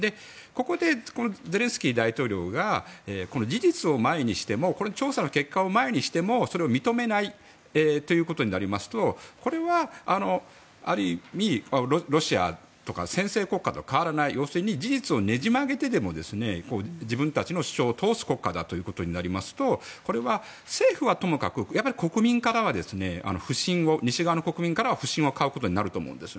ここで、ゼレンスキー大統領が事実を前にしても調査の結果を前にしてもそれを認めないということになりますとこれは、ある意味ロシアとか専制国家と変わらない要するに、事実を捻じ曲げてでも自分たちの主張を通す国家だということになりますとこれは、政府はともかく西側の国民からは不信を買うことになると思います。